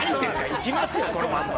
行きますよ、このまま。